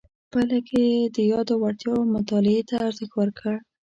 پایله کې یې د یادو وړتیاو مطالعې ته ارزښت ورکړ.